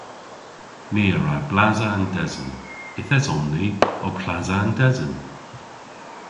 Ni a wra blasa an desen. Yth eson ni ow plasa an desen.